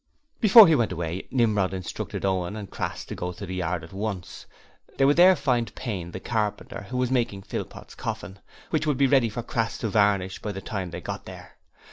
Before he went away, Nimrod instructed Owen and Crass to go to the yard at once: they would there find Payne the carpenter, who was making Philpot's coffin, which would be ready for Crass to varnish by the time they got there.